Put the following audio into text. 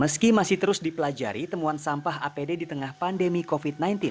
meski masih terus dipelajari temuan sampah apd di tengah pandemi covid sembilan belas